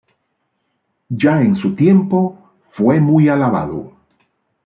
Ya en su tiempo, fue muy alabado.